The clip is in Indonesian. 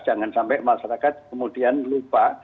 jangan sampai masyarakat kemudian lupa